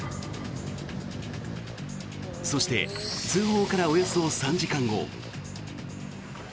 そして通報からおよそ３時間後。